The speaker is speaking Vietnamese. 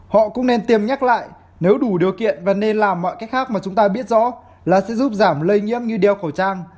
họ cũng nên tiêm nhắc lại nếu đủ điều kiện và nên làm mọi cách khác mà chúng ta biết rõ là sẽ giúp giảm lây nhiễm như đeo khẩu trang